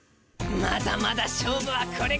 まだまだ勝負はこれから。